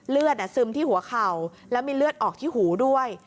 ซึมที่หัวเข่าแล้วมีเลือดออกที่หูด้วย